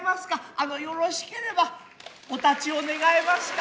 あのよろしければお立ちを願えますか。